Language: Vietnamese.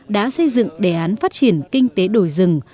đã xây dựng đề án phát triển kinh tế đồi rừng